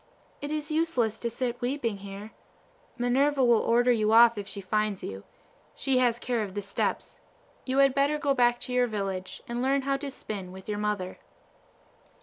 It is useless to sit weeping here. Minerva will order you off if she finds you. She has the care of the steps. You had better go back to your village and learn to spin with your mother."